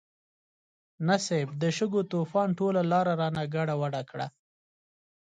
نه صيب، د شګو طوفان ټوله لاره رانه ګډوډه کړه.